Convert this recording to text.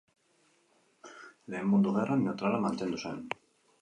Lehen Mundu Gerran neutrala mantendu zen.